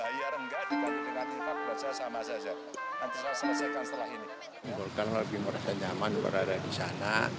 hai lebih nyaman berada di sana